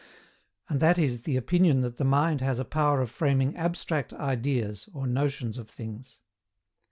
And that is the opinion that the mind has a power of framing ABSTRACT IDEAS or notions of things.